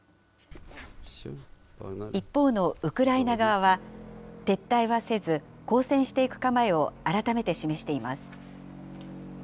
一方のウクライナ側は、撤退はせず、抗戦していく構えを改めて示しています。